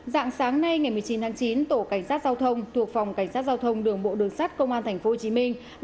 dạng sáng nay ngày một mươi chín tháng chín tổ cảnh sát giao thông thuộc phòng cảnh sát giao thông đường bộ đường sát công an tp hcm